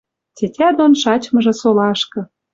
Тетя дон шачмыжы солашкы